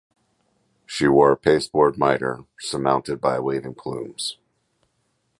She wore a pasteboard miter surmounted by waving plumes.